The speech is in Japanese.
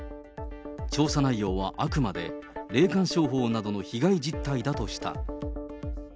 調査内容はあくまで霊感商法などの被害実態だとした。